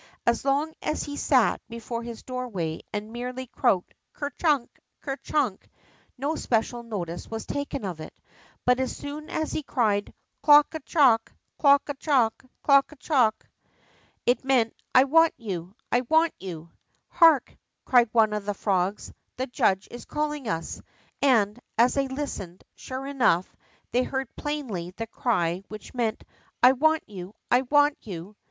As long as he sat before his doorway and merely croaked : Ker chunk ! Ker chunk !'' no special notice was taken of it. But as soon as he cried: Clook a clook ! Clook a dook ! Clook a clook !'' it meant, I want you ! I want you !" Hark !'' cried one of the frogs, " the judge is calling us,'' and, as they listened, sure enough, they heard plainly the cry which meant, I want you ! I want you !